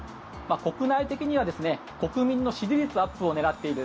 国内的には国民の支持率アップを狙っている。